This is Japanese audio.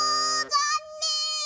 残念！